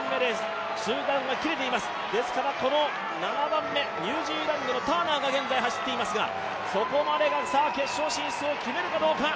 ７番目、ニュージーランドのターナーが現在走っていますが、そこまでが決勝進出を決めるかどうか。